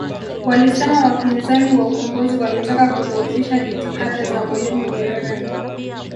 Walisema wapinzani wa ukombozi walitaka kudhoofisha jitihada za Mwalimu Nyerere